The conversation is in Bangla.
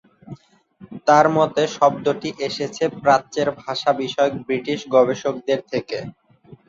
তার মতে শব্দটি এসেছে প্রাচ্যের ভাষা বিষয়ক ব্রিটিশ গবেষকদের থেকে।